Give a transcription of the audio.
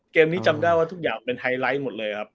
เกมนี้จำได้ว่าทุกอย่างเป็นไฮไลท์หมดเลยครับ